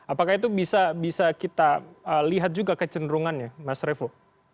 apakah itu bisa kita lihat juga kecenderungannya mas revo